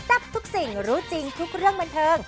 ทับทุกสิ่งรู้จริงทุกเรื่องบันเทิง